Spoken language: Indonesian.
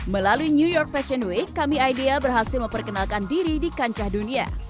melalui new york fashion week kami idea berhasil memperkenalkan diri di kancah dunia